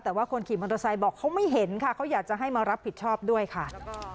แต่ว่าคนขี่มอเตอร์ไซค์บอกเขาไม่เห็นค่ะเขาอยากจะให้มารับผิดชอบด้วยค่ะ